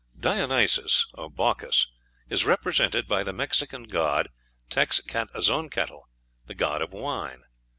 Dionysus, or Bacchus, is represented by the Mexican god Texcatzoncatl, the god of wine.